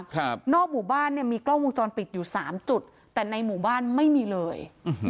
นอกหมู่บ้านเนี่ยมีกล้องวงจรปิดอยู่สามจุดแต่ในหมู่บ้านไม่มีเลยอืม